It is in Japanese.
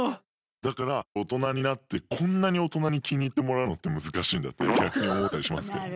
だから大人になってこんなに大人に気に入ってもらうのって難しいんだって逆に思ったりしますけどね。